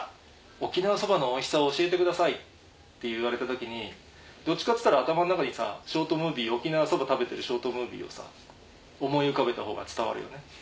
沖縄そばのおいしさを教えてくださいって言われた時にどっちかっつったら頭の中に沖縄そば食べてるショートムービーを思い浮かべたほうが伝わるよね？